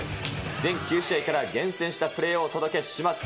全９試合から厳選したプレーをお届けします。